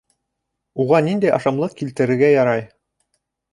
Уға ниндәй ашамлыҡ килтерергә ярай?